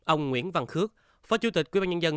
ông nguyễn văn khước phó chủ tịch quyên bàn nhân dân